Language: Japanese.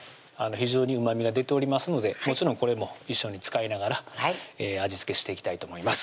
非常にうまみが出ておりますのでもちろんこれも一緒に使いながら味付けしていきたいと思います